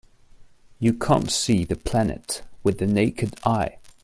You can't see the planet with the naked eye.